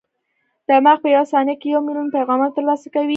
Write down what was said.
دماغ په یوه ثانیه کې یو ملیون پیغامونه ترلاسه کوي.